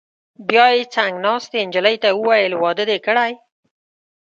بیا یې څنګ ناستې نجلۍ ته وویل: واده دې کړی؟